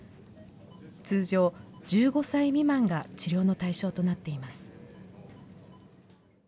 通常、１５歳未満が治療の対象となっています。